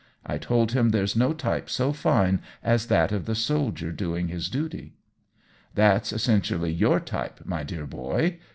I told him there's no type so fine as that of the soldier doing his duty." "That's essentially your type, my dear boy."